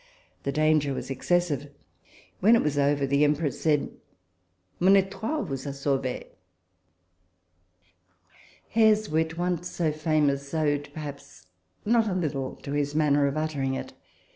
The danger was excessive. When it was over, the Em press said, " Mon e"toile vous a sauvee." Hare's wit, once so famous, owed perhaps not a little to his manner of uttering it.